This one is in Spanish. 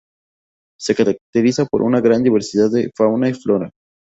Se caracteriza por una gran diversidad de fauna y flora.